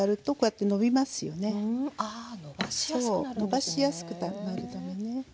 のばしやすくなるためね。